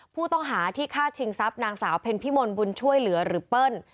ผู้ต้องหาที่ฆ่าชิงทรัพย์นางสาวเพ็ญพิมลบุญช่วยเหลือหรือเปิ้ล